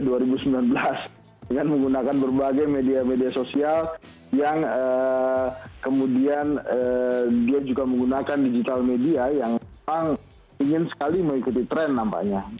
dengan menggunakan berbagai media media sosial yang kemudian dia juga menggunakan digital media yang memang ingin sekali mengikuti tren nampaknya